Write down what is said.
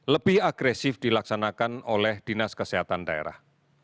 lebih agresif dilaksanakan oleh dinas kesehatan daerah